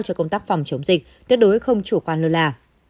cho công tác phòng chống dịch tuyệt đối không chủ quan lơ là